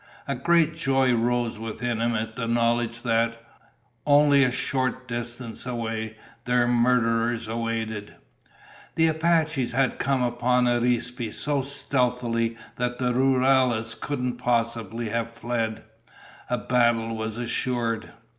A great joy rose within him at the knowledge that, only a short distance away, their murderers awaited. The Apaches had come upon Arispe so stealthily that the rurales couldn't possibly have fled. A battle was assured.